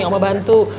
om mau bantu